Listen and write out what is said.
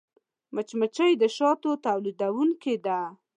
مچمچۍ د شاتو تولیدوونکې ده